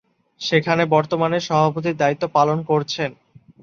সেখানে বর্তমানে সভাপতির দায়িত্ব পালন করছেন।